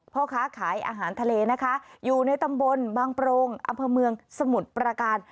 พ่อค้าขายอาหารทะเลนะคะอยู่ในตำบลบางโปรงอำเภอเมืองสมุทรประการ